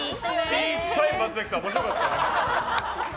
小さい松崎さん面白かったな。